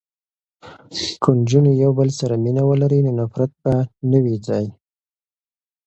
که نجونې یو بل سره مینه ولري نو نفرت به نه وي ځای.